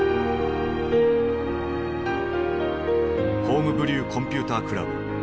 「ホームブリューコンピュータークラブ」。